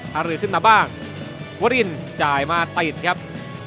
หารือขึ้นมาบ้างวรินจ่ายมาติดครับ